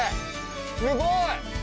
すごい！